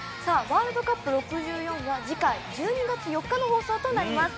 「ワールドカップ６４」は次回、１２月４日の放送となります。